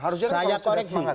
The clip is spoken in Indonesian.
harusnya kalau sudah semangat